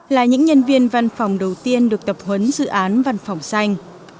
là những nhân viên văn phòng đầu tiên được tập huấn dự án văn phòng xanh